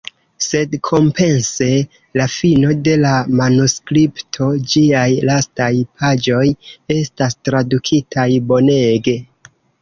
Sed kompense la fino de la manuskripto, ĝiaj lastaj paĝoj, estas tradukitaj bonege.